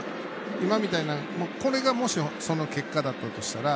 今みたいなこれがもしその結果だったとしたら。